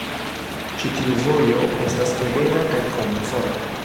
Ĉi tiu vojo estas ebena kaj komforta.